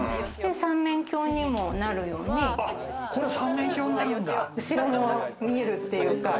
３面鏡にもなるように、後ろも見えるっていうか。